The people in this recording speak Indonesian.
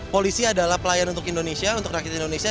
polisi adalah pelayan untuk indonesia untuk rakyat indonesia